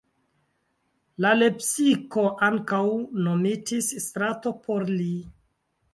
En Lepsiko ankaŭ nomitis strato por li.